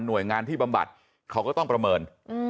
โดยงานที่บำบัดเขาก็ต้องประเมิน